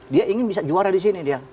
dia ingin bisa juara di sini dia